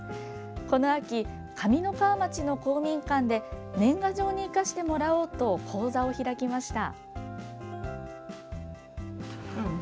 この秋上三川町の公民館で年賀状に生かしてもらおうと講座を開きました。